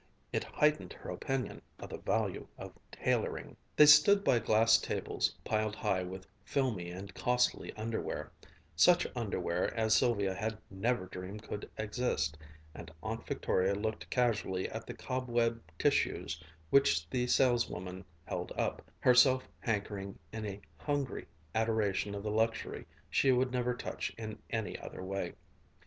It heightened her opinion of the value of tailoring. They stood by glass tables piled high with filmy and costly underwear, such underwear as Sylvia had never dreamed could exist, and Aunt Victoria looked casually at the cobweb tissues which the saleswoman held up, herself hankering in a hungry adoration of the luxury she would never touch in any other way.